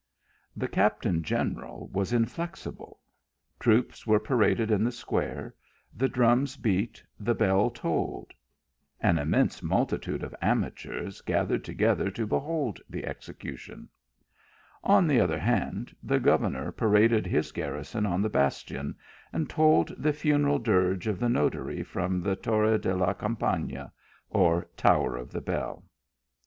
The captain general was inflexible ; troops were paraded in the square; the drums beat; the bell tolled ; an immense multitude of amateurs had collected to behold the execution ; on the other hand, the governor paraded his garrison on the bas tion, and tolled the funeral dirge of the notary from the Torre de la Campana, or tower of the bell.